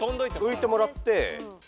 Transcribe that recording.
浮いてもらって。